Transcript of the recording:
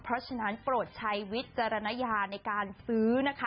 เพราะฉะนั้นโปรดใช้วิจารณญาในการซื้อนะคะ